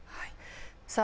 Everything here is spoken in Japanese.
さあ